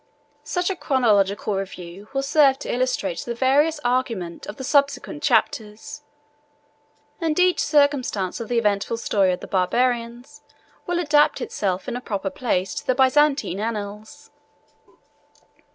Such a chronological review will serve to illustrate the various argument of the subsequent chapters; and each circumstance of the eventful story of the Barbarians will adapt itself in a proper place to the Byzantine annals.